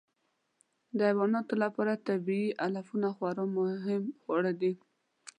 د حیواناتو لپاره طبیعي علفونه خورا مهم خواړه دي.